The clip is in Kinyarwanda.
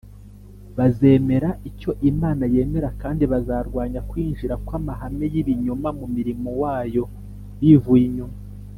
bazemeza icyo imana yemera, kandi bazarwanya kwinjira kw’amahame y’ibinyoma mu murimo wayo bivuye inyuma.